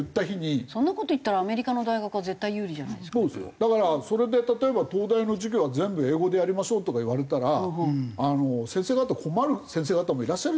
だからそれで例えば東大の授業は全部英語でやりましょうとか言われたら先生方困る先生方もいらっしゃるじゃないですか。